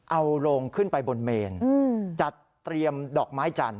เอาโรงขึ้นไปบนเมนจัดเตรียมดอกไม้จันท